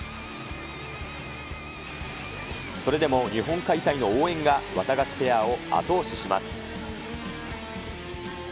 それでも日本開催の応援が、ワタガシペアを後押しします。